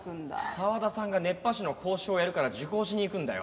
澤田さんが熱波師の講習をやるから受講しに行くんだよ。